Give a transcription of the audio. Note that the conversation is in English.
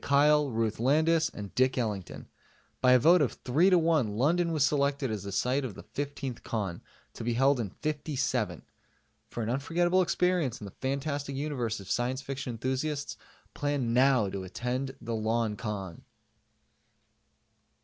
Kyle, Ruth Landis and Dick Ellington. By a vote of 3 to 1, London was selected as the site of the 15th Con, to be held in '57. For an unforgettable experience in the fantastic universe of science fiction enthusiasts, plan now to attend the LONCON!